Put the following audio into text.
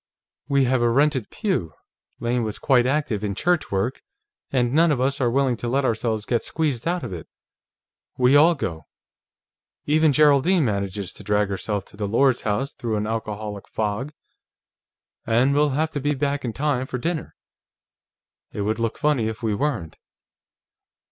We have a rented pew Lane was quite active in church work and none of us are willing to let ourselves get squeezed out of it. We all go; even Geraldine manages to drag herself to the Lord's House through an alcoholic fog. And we'll have to be back in time for dinner. It would look funny if we weren't."